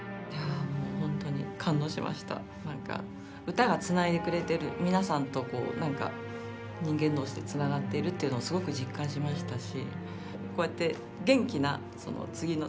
歌がつないでくれてる皆さんとこう人間同士でつながっているっていうのをすごく実感しましたし。